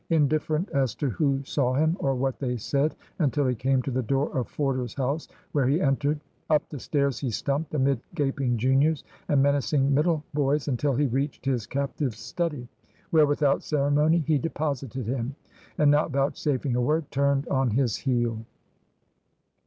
Indifferent as to who saw him or what they said, until he came to the door of Forder's house, where he entered. Up the stairs he stumped amid gaping juniors and menacing middle, boys until he reached his captive's study; where without ceremony he deposited him, and, not vouchsafing a word, turned on his heel.